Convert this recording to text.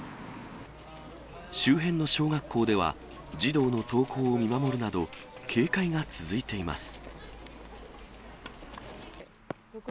周辺の小学校では、児童の登校を見守るなど、警戒が続いています。